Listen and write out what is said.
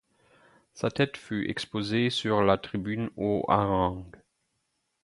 Sa tête fut exposée sur la tribune aux harangues.